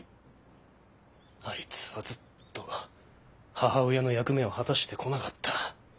あいつはずっと母親の役目を果たしてこなかった。